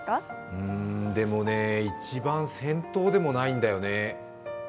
うーん、でもね、一番先頭でもないんだよね。